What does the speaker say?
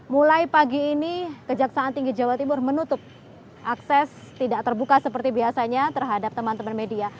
mulai pagi ini kejaksaan tinggi jawa timur menutup akses tidak terbuka seperti biasanya terhadap teman teman media